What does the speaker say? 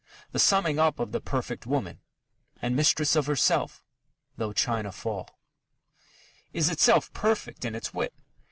The summing up of the perfect woman: And mistress of herself, though china fall, is itself perfect in its wit.